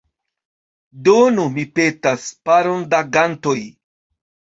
Donu, mi petas, paron da gantoj.